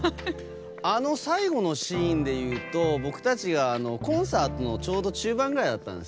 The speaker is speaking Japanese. あの最後のシーンで言うと僕たちがコンサートのちょうど中盤ぐらいだったんです。